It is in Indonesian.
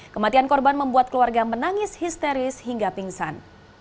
kematian korban membuat keluarga menangis histeris hingga pingsan